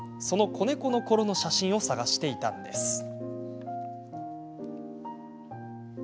その子猫のころの写真を探していたんです。